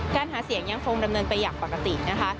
หาเสียงยังคงดำเนินไปอย่างปกตินะคะ